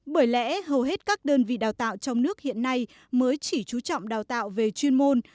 bởi lẽ hầu hết các đơn vị đào tạo trong nước hiện nay mới chỉ trú trọng đào tạo về chuyên môn